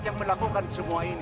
yang melakukan semua ini